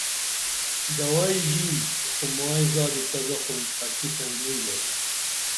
دوائی ژِنیم خو مائی زادی تہ زخم اکی تنُئی درو